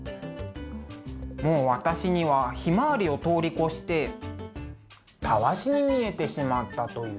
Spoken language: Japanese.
もう私にはひまわりを通り越してタワシに見えてしまったという。